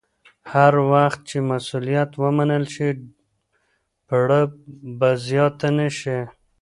هر وخت چې مسوولیت ومنل شي، پړه به زیاته نه شي.